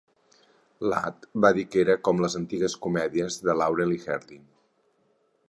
Ladd va dir que era com les antigues comèdies de Laurel i Hardy.